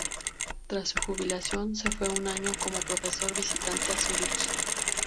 Tras su jubilación, se fue un año como profesor visitante a Zúrich.